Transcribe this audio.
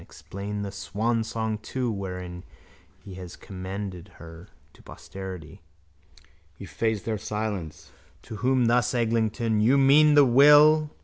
Explain the swansong too wherein he has commended her to posterity. He faced their silence. To whom thus Eglinton: You mean the will.